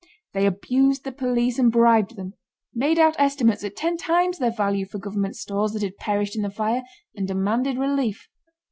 They abused the police and bribed them, made out estimates at ten times their value for government stores that had perished in the fire, and demanded relief.